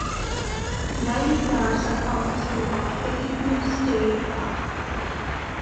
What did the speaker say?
Wildflowers are found throughout Pettigrew State Park.